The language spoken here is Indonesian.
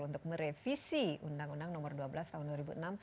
untuk merevisi undang undang nomor dua belas tahun dua ribu enam